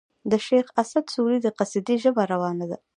د شېخ اسعد سوري د قصيدې ژبه روانه ده.